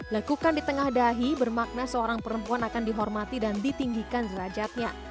lekukan di tengah dahi bermakna seorang perempuan akan dihormati dan ditinggikan derajatnya